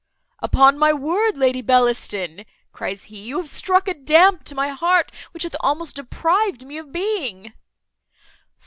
"Upon my word, Lady Bellaston," cries he, "you have struck a damp to my heart, which hath almost deprived me of being."